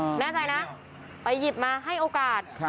ภรรยาบอกแน่ใจนะไปหยิบมาให้โอกาส